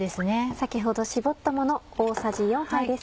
先ほど搾ったもの大さじ４杯です。